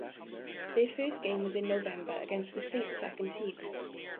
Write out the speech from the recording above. Their first game was in November against the Saints second team.